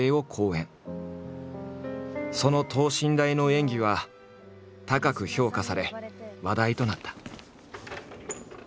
その等身大の演技は高く評価され話題となった。